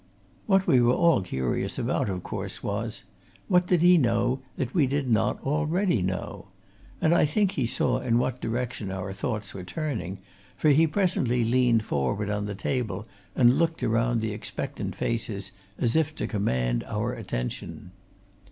What we were all curious about, of course, was what did he know that we did not already know? And I think he saw in what direction our thoughts were turning, for he presently leaned forward on the table and looked around the expectant faces as if to command our attention.